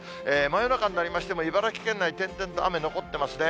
真夜中になりましても、茨城県内、転々と雨、残ってますね。